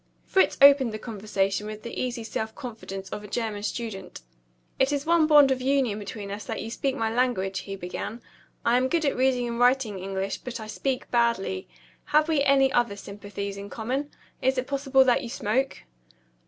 Fritz opened the conversation with the easy self confidence of a German student. "It is one bond of union between us that you speak my language," he began. "I am good at reading and writing English, but I speak badly. Have we any other sympathies in common? Is it possible that you smoke?"